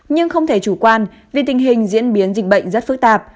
nhưng không thể chủ quan vì tình hình diễn biến dịch bệnh rất phức tạp